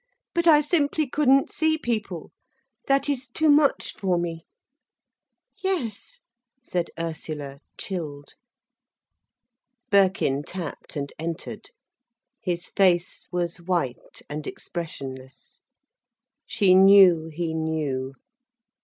"But I simply couldn't see people. That is too much for me." "Yes," said Ursula, chilled. Birkin tapped and entered. His face was white and expressionless. She knew he knew.